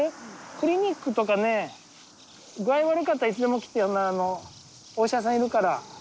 クリニックとかね具合悪かったらいつでも来てよねお医者さんいるから。